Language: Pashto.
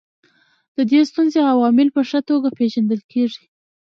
د دې ستونزې عوامل په ښه توګه پېژندل کیږي.